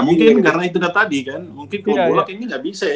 mungkin kalau bolak ini nggak bisa ya